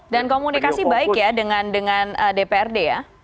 dan komunikasi baik ya dengan dprd ya